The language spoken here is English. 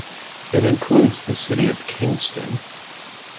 It includes the City of Kingston.